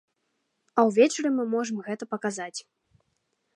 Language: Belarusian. А ўвечары мы можам гэта паказаць.